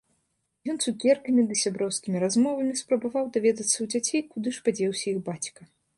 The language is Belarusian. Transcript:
Ён цукеркамі ды сяброўскімі размовамі спрабаваў даведацца ў дзяцей, куды ж падзеўся іх бацька.